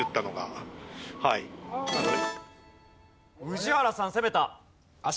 宇治原さん攻めた。